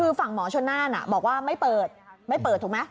คือฝั่งหมอชนน่านบอกว่าไม่เปิดไม่เปิดถูกไหม